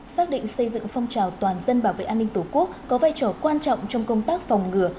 xác định xây dựng phong trào toàn dân bảo vệ an ninh tổ quốc có vai trò quan trọng trong công tác phòng ngừa